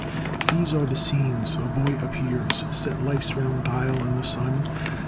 These are the scenes: a boy appears; Set life's round dial in the sun.